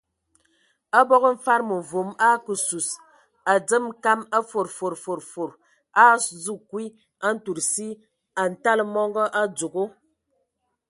Abog mfad məvom a ake sus, a dzemə kam a fod fod fod, a a azu kwi ntud asi, a ntala mɔngɔ a dzogo.